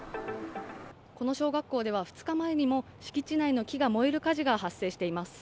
この小学校では、２日前にも敷地内の木が燃える火事が発生しています。